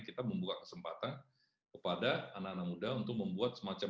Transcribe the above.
kita membuka kesempatan kepada anak anak muda untuk membuat semacam